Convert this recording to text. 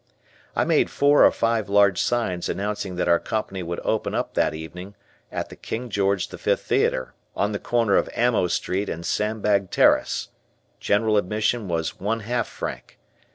I made four or five large signs announcing that our company would open up that evening at the King George the Fifth Theatre, on the corner of Ammo Street and Sandbag Terrace. General admission was one half franc.